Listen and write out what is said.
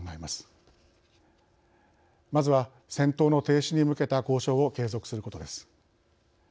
まずは戦闘の停止に向けた交渉を継続することです。